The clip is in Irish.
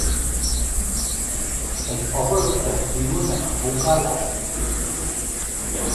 Ag obair ar shuíomhanna tógála.